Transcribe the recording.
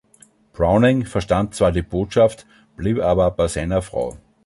Browning verstand zwar die Botschaft, blieb aber bei seiner Frau.